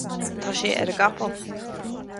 tá sé ar an gcapall